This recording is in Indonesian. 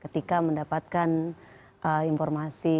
ketika mendapatkan informasi